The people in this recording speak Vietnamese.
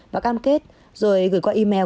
và cam kết rồi gửi qua email